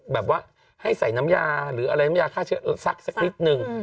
แบบว่าให้ใส่น้ำยาหรืออะไรน้ำยาฆ่าเชื้อซักสักนิดนึง